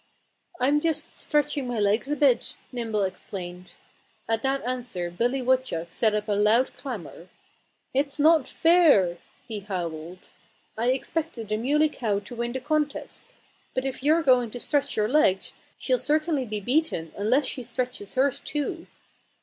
"I'm just stretching my legs a bit," Nimble explained. At that answer Billy Woodchuck set up a loud clamor. "It's not fair!" he howled. "I expected the Muley Cow to win the contest. But if you're going to stretch your legs she'll certainly be beaten unless she stretches hers too."